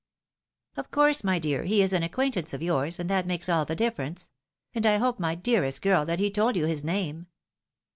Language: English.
" Of course, my dear, he is an acquaintance of yours, and that makes all the difference ; and I hope, my dearest girl, that he told you his name."